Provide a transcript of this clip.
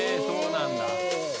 そうなんだ。